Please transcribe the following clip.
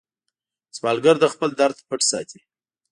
سوالګر د خپل درد پټ ساتي